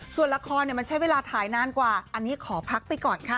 ส่วนละครมันใช้เวลาถ่ายนานกว่าอันนี้ขอพักไปก่อนค่ะ